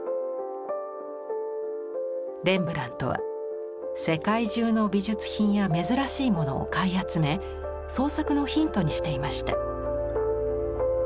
レンブラントは世界中の美術品や珍しいものを買い集め創作のヒントにしていました。